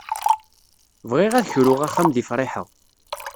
Bɣiɣ ad kruɣ axxam di Friḥa.